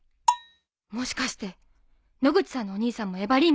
もしかして野口さんのお兄さんもえばりんぼなの？